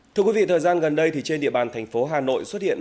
thưa quý vị thời gian gần đây trên địa bàn thành phố hà nội xuất hiện